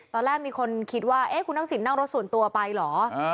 ตอนแรกมีคนคิดว่าเอ๊ะคุณนักศิลป์นั่งรถส่วนตัวไปเหรออ่า